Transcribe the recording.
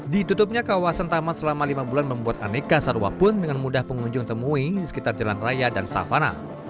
ditutupnya kawasan taman selama lima bulan membuat aneka satwa pun dengan mudah pengunjung temui di sekitar jalan raya dan savana